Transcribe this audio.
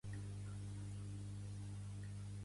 Sentis una gran commoció de l'ànim.